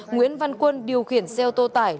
nguyễn văn quân điều khiển xe ô tô tải